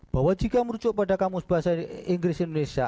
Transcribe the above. bahwa jika merujuk pada kamus bahasa inggris indonesia